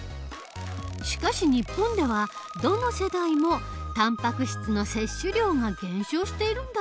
しかし日本ではどの世代もたんぱく質の摂取量が減少しているんだって。